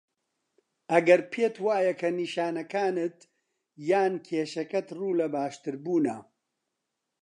ئەگەر پێت وایه که نیشانەکانت یان کێشەکەت ڕوو له باشتربوونه